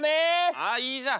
ああいいじゃん